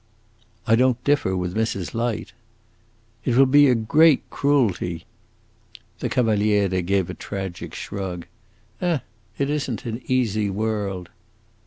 "I don't differ with Mrs. Light!" "It will be a great cruelty!" The Cavaliere gave a tragic shrug. "Eh! it is n't an easy world."